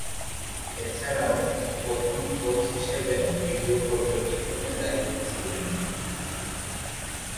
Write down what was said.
এছাড়াও, প্রথম কোচ হিসেবে ভিডিও পর্যবেক্ষণে দায়িত্বে ছিলেন।